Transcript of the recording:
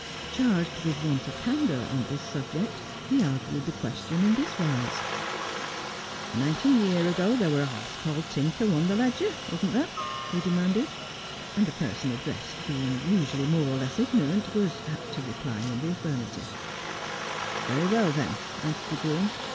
Charged with want of candour on this subject he argued the question in this wise :—' Nineteen year ago there were a hoss called Tinker won the Ledger, wasn't there 1 ' he demanded ; and the person addressed being usually more or less ignorant was apt to reply in the affirmative. 240 J list as I Am. 'Very well, then,' answered the groom.